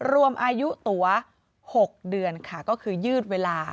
รวมอายุตัว๖เดือนค่ะก็คือยืดเวลา